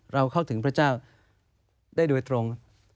เราเข้าถึงพระเจ้าได้โดยตรง